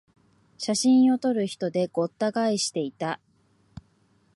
写真を撮る人でごった返していた